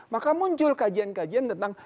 maka muncul kajian kajian tentang